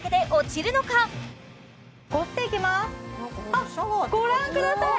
あっご覧ください！